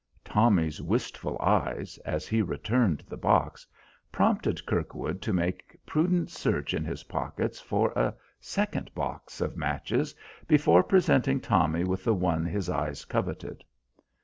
Tommy's wistful eyes, as he returned the box, prompted Kirkwood to make prudent search in his pockets for a second box of matches before presenting Tommy with the one his eyes coveted.